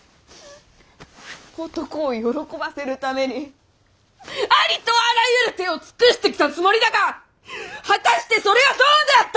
男を喜ばせるためにありとあらゆる手を尽くしてきたつもりだが果たしてそれはどうであったかの！？